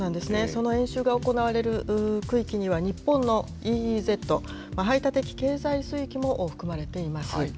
その演習が行われる区域には、日本のＥＥＺ・排他的経済水域も含まれています。